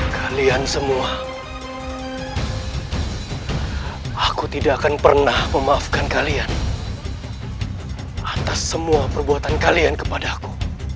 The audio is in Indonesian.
kalian semua aku tidak akan pernah memaafkan kalian atas semua perbuatan kalian kepadaku